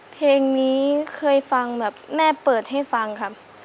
เพลงนี้เคยฟังแบบแม่เปิดให้ฟังครับ